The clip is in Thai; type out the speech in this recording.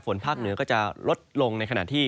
ภาคเหนือก็จะลดลงในขณะที่